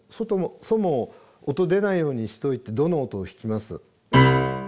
ソの音出ないようにしといてドの音を弾きます。